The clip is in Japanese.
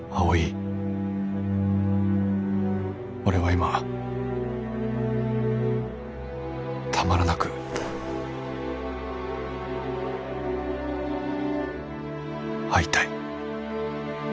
俺は今たまらなく会いたい